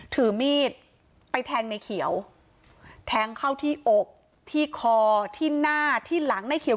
ถือมีดไปแทงในเขียวแทงเข้าที่อกที่คอที่หน้าที่หลังในเขียว